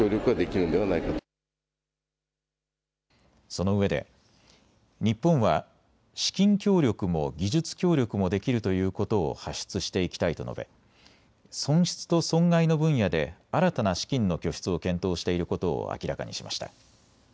そのうえで日本は資金協力も技術協力もできるということを発出していきたいと述べ損失と損害の分野で新たな資金の拠出を検討していることを明らかにしました。